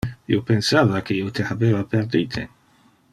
Io pensava que io te habeva perdite.